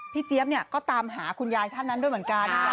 เจี๊ยบเนี่ยก็ตามหาคุณยายท่านนั้นด้วยเหมือนกัน